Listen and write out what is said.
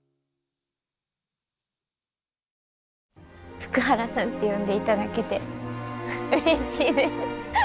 福原さんって呼んでいただけてうれしいです。